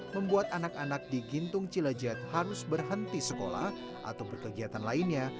membuat anak anak di gintung cilejet harus berhenti sekolah atau berkegiatan lainnya